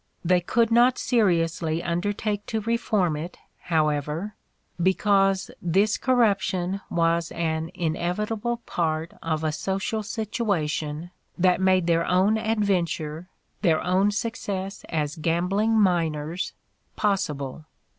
They could not seriously undertake to reform it, however, because this corrup tion was an inevitable part of a social situation that made their own adventure, their own success as gam bling miners, possible.